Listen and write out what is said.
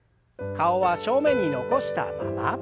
顔は正面に残したまま。